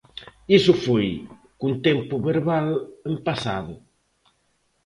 Iso foi, cun tempo verbal en pasado.